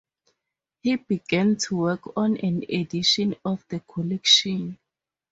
He began to work on an edition of the collection.